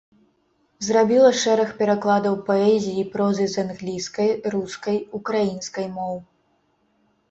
Зрабіла шэраг перакладаў паэзіі і прозы з англійскай, рускай, украінскай моў.